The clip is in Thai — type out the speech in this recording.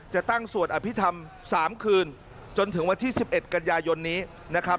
จะตั้งสวดอภิษฐรรม๓คืนจนถึงวันที่๑๑กันยายนนี้นะครับ